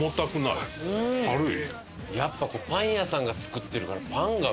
やっぱパン屋さんが作ってるからパンがうまい！